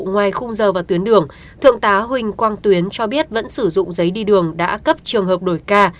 ngoài khung giờ và tuyến đường thượng tá huỳnh quang tuyến cho biết vẫn sử dụng giấy đi đường đã cấp trường hợp đổi ca